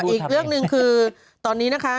อีกเรื่องหนึ่งคือตอนนี้นะคะ